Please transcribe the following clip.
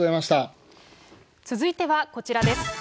続いてはこちらです。